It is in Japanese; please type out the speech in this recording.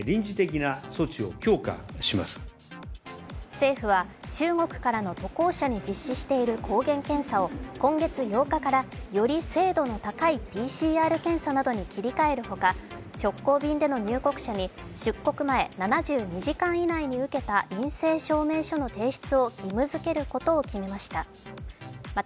政府は中国からの渡航者に実施している抗原検査を今月８日からより精度の高いＰＣＲ検査などに切り替えるほか直行便での入国者に出国前７２時間以内に受けた陰性証明書の提出を義務付けることを決めました。